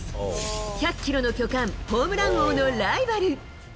１００キロの巨漢、ホームラン王のライバル。